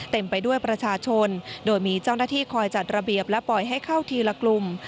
เต็มไปด้วยประชาชนโดยมีเจ้าหน้าที่คอยจัดระเบียบและปล่อยให้เข้าทีละกลุ่ม